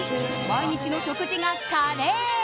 ２、毎日の食事がカレー。